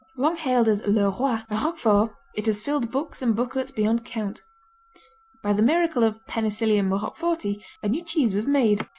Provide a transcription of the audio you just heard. _ Long hailed as le roi Roquefort, it has filled books and booklets beyond count. By the miracle of Penicillium Roqueforti a new cheese was made.